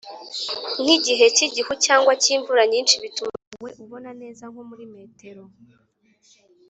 Nk igihe cy igihu cyangwa cy imvura nyinshi bituma ntawe ubona neza nko muri metero